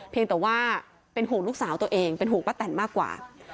เพียงแต่ว่าเป็นห่วงลูกสาวตัวเองเป็นห่วงป้าแตนมากกว่า